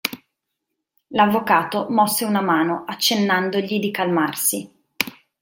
L'avvocato mosse una mano accennandogli di calmarsi.